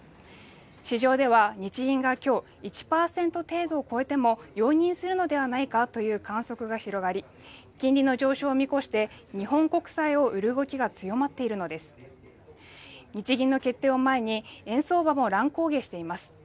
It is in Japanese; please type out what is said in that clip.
市場では日銀がきょう１％程度超えても容認するのではないかという観測が広がり金利の上昇を見越して日本国債を売る動きが強まっているのです日銀の決定を前に円相場も乱高下しています